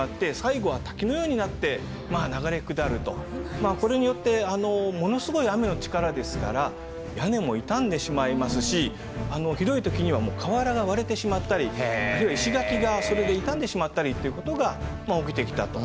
まあこれによってものすごい雨の力ですから屋根も傷んでしまいますしひどい時にはもう瓦が割れてしまったりあるいは石垣がそれで傷んでしまったりっていうことがまあ起きてきたと。